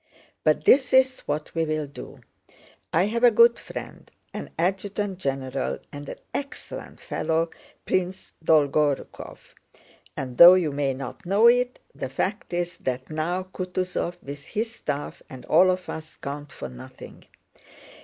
But this is what we'll do: I have a good friend, an adjutant general and an excellent fellow, Prince Dolgorúkov; and though you may not know it, the fact is that now Kutúzov with his staff and all of us count for nothing.